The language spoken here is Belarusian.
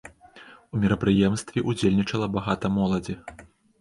У мерапрыемстве ўдзельнічала багата моладзі.